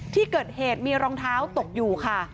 ที่เกิดเหตุมีรองเท้าตกอยู่ค่ะ